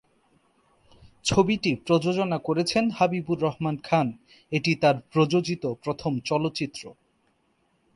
ছবিটি প্রযোজনা করেছেন হাবিবুর রহমান খান, এটি তার প্রযোজিত প্রথম চলচ্চিত্র।